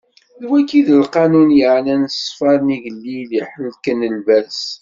D wagi i d lqanun yeɛnan ṣṣfa n igellil i ihelken lberṣ.